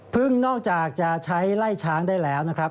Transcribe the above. นอกจากจะใช้ไล่ช้างได้แล้วนะครับ